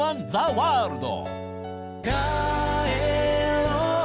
ワールド』